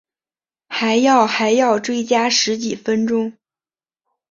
还要还要追加十几分钟